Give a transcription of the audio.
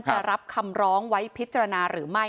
จะรับคำร้องไว้พิจารณาหรือไม่